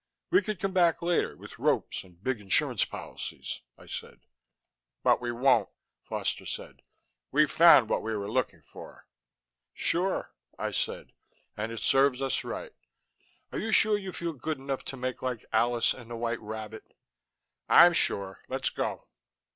"We could come back later, with ropes and big insurance policies," I said. "But we won't," said Foster. "We've found what we were looking for " "Sure," I said, "and it serves us right. Are you sure you feel good enough to make like Alice and the White Rabbit?" "I'm sure. Let's go."